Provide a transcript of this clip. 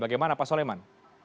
bagaimana pak soleman